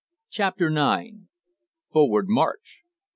CHAPTER IX "FORWARD MARCH!"